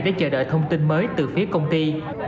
để chờ đợi thông tin mới từ phía công ty